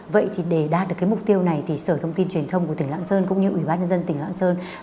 vậy thì để đạt được cái mục tiêu này thì sở thông tin truyền thông của tỉnh lạng sơn cũng như ủy ban nhân dân tỉnh lạng sơn